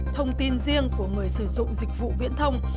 thông tin riêng của người sử dụng dịch vụ viễn thông